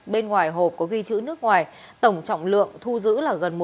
bên ngoài hộp có ghi chữ nước ngoài tổng trọng lượng thu giữ là gần một trăm linh